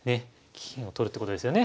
金を取るってことですよね。